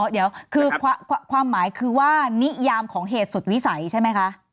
เดี๋ยวคือความหมายคือว่านิยามของเหตุสุดวิสัยใช่ไหมคะ